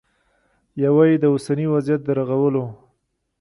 یوه یې د اوسني وضعیت د رغولو